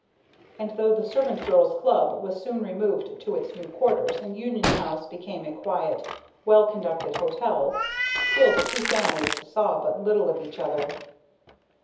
And though the Servant Girls' Club was soon removed to its new quarters and Union House became a quiet, well conducted hotel, still the two families saw but little of each other.